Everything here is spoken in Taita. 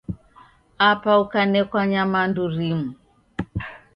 Apa ukanekwa nyamandu rimu